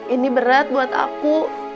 ini berat buat aku